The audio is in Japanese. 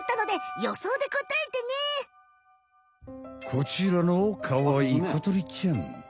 こちらのかわいいこ鳥ちゃん。